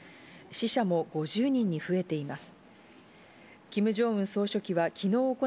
死者も５０人に増えています。